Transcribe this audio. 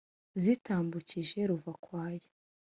Zitambukije ruvakwaya